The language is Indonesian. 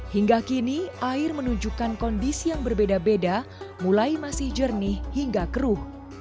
hingga kini air menunjukkan kondisi yang berbeda beda mulai masih jernih hingga keruh